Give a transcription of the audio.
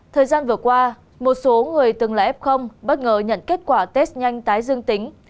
thời gian vừa qua một số người từng là f bất ngờ nhận kết quả test nhanh tái dương tính